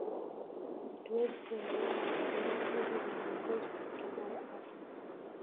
hatuwezi kuendelea na aina hizi za viongozi katika bara afrika